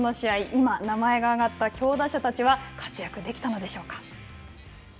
今名前が挙がった強打者たちは活躍できたのでしょうか。